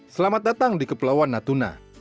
selamat datang di kepulauan natuna